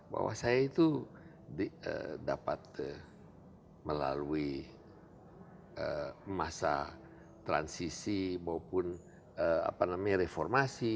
bahwa saya itu dapat melalui masa transisi maupun reformasi